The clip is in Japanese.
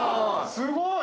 すごい！